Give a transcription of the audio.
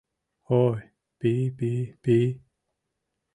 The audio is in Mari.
— Ой, пи-пи-пи...